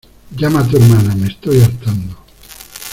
¡ llama a tu hermana, me estoy hartando!